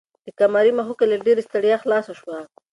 د قمرۍ مښوکه له ډېرې ستړیا خلاصه شوه.